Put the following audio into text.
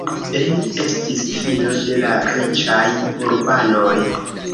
Li estis filo de la riĉaj urbanoj.